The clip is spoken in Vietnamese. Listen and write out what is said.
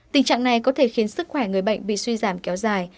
tình trạng này có thể khiến sức khỏe người bệnh bị suy giảm kéo dài